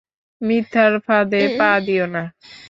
মিথ্যার ফাঁদে পা দিও না।